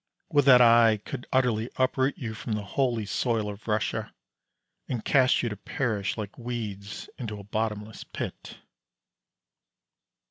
Would that I could utterly uproot you from the holy soil of Russia, and cast you to perish like weeds into a bottomless pit.